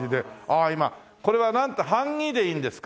ああ今これは版木でいいんですか？